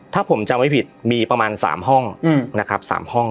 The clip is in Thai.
ถ้าผมจำไม่ผิดมีประมาณ๓ห้องนะครับ๓ห้อง